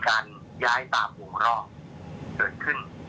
การกดหาฉองน้องต่างคนเนี่ยมันเกิดแล้ว